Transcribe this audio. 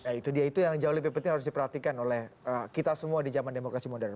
ya itu dia itu yang jauh lebih penting harus diperhatikan oleh kita semua di zaman demokrasi modern